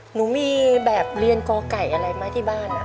หนูมีแบบเรียนกไก่อะไรไหมที่บ้าน